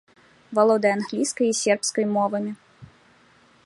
Валодае англійскай і сербскай мовамі.